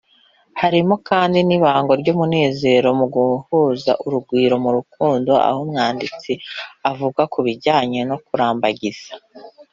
Harimo kandi n’ibango ry’umunezero no guhuza urugwiro mu rukundo aho umwanditsi avuga ku bijyanye no kurambagiza